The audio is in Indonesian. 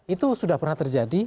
itu sudah pernah terjadi